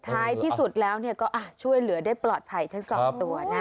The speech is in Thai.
ท้ายที่สุดแล้วก็ช่วยเหลือได้ปลอดภัยทั้งสองตัวนะ